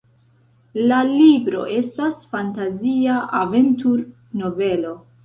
La libro estas fantazia aventur-novelo.